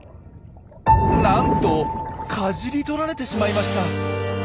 なんとかじり取られてしまいました！